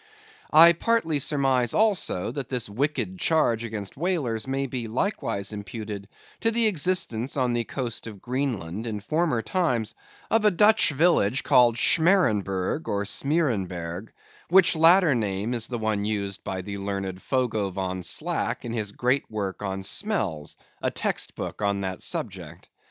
I partly surmise also, that this wicked charge against whalers may be likewise imputed to the existence on the coast of Greenland, in former times, of a Dutch village called Schmerenburgh or Smeerenberg, which latter name is the one used by the learned Fogo Von Slack, in his great work on Smells, a text book on that subject.